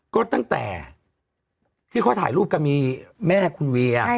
ก็ตั้งแต่ที่เขาถ่ายรูปกันมีแม่คุณเวีย